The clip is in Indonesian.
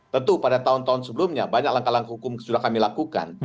tentu pada tahun tahun sebelumnya banyak langkah langkah hukum sudah kami lakukan